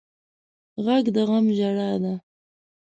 غږ د غم ژړا ده